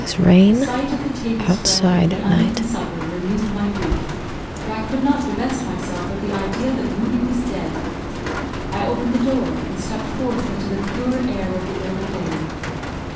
The sight of the table spread, and the uneaten supper, renewed my grief, for I could not divest myself of the idea that Moodie was dead. I opened the door, and stepped forth into the pure air of the early day.